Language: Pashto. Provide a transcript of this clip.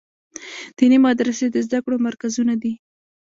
دیني مدرسې د زده کړو مرکزونه دي.